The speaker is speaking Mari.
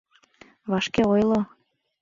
Вашке ойло.